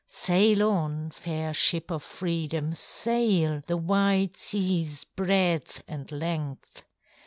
Sail on, fair ship of Freedom, sail The wide seaŌĆÖs breadth and length.